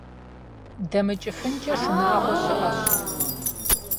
ДэмыкӀыфынкӀэ шынагъуэ щыӀэщ.